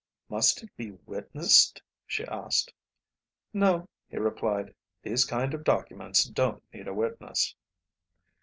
"Must it be witnessed?" she asked. "No," he replied, "these kind of documents don't need a witness."